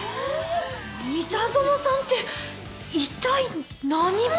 三田園さんって一体何者？